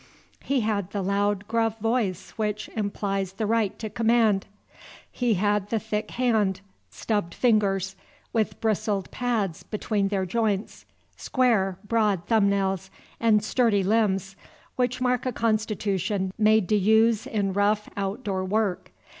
He had the loud gruff voice which implies the right to command. He had the thick hand, stubbed fingers, with bristled pads between their joints, square, broad thumb nails, and sturdy limbs, which mark a constitution made to use in rough out door work.